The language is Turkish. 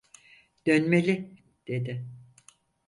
"Dönmeli!" dedi.